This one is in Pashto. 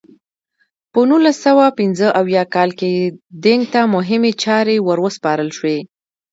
په نولس سوه پنځه اویا کال کې دینګ ته مهمې چارې ور وسپارل شوې.